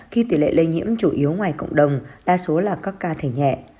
khi tỷ lệ lây nhiễm chủ yếu ngoài cộng đồng đa số là các ca thể nhẹ